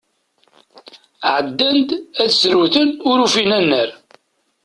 Ɛeddan ad ssrewten, ur ufin annar.